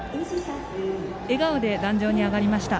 笑顔で壇上に上がりました。